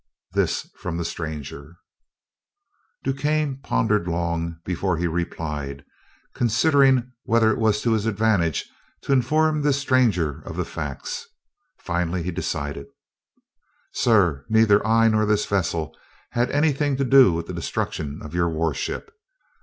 This from the stranger. DuQuesne pondered long before he replied; considering whether it was to his advantage to inform this stranger of the facts. Finally he decided. "Sir, neither I nor this vessel had anything to do with the destruction of your warship.